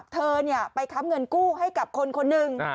เธอเนี่ยไปคับเงินกู้ให้กับคนคนนึง